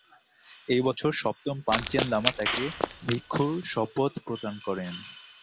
এই বছর সপ্তম পাঞ্চেন লামা তাকে ভিক্ষুর শপথ প্রদান করেন।